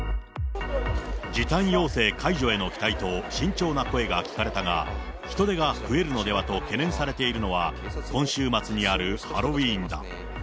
時短要請解除への期待と、慎重な声が聞かれたが、人出が増えるのではと懸念されているのは、今週末にあるハロウィーンだ。